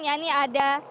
yang ini ada